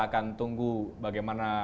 akan tunggu bagaimana